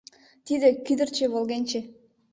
Тиде — кӱдырчӧ-волгенче.